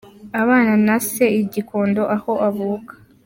Abana na se i Gikondo, aho avuka.